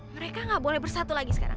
mereka nggak boleh bersatu lagi sekarang